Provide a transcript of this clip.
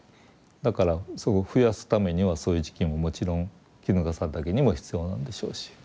だからそこ増やすためにはそういう時期ももちろんキヌガサダケにも必要なんでしょうし。